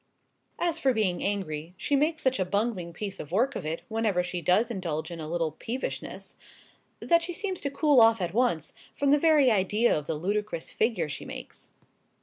As for being angry, she makes such a bungling piece of work of it, whenever she does indulge in a little peevishness, that she seems to cool off at once, from the very idea of the ludicrous figure she makes.